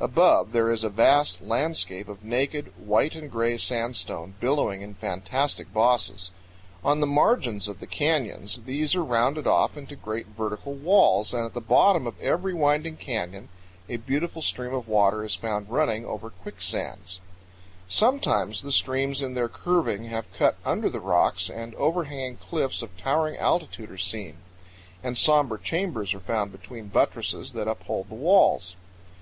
Above, there is a vast landscape of naked, white and gray sandstone, billowing in fantastic bosses. On the margins of the canyons these are rounded off into great vertical walls, and at the bottom of every winding canyon a beautiful stream of water is found 99 powell canyons 61.jpg A PERMIAN BUTTE. 100 powell canyons 62.jpg VERMILION CLIFFS AT KANAB. CLIFFS AND TERRACES. 101 running over quicksands. Sometimes the streams in their curving have cut under the rocks, and overhanging cliffs of towering altitudes are seen; and somber chambers are found between buttresses that uphold the walls.